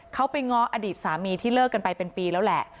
เขาไปง้ออดีตสามีที่เลิกกันไปเป็นปีแล้วแหละ